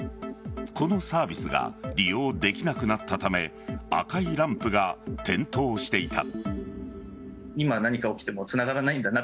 このサービスが利用できなくなったため赤いランプが点灯していた。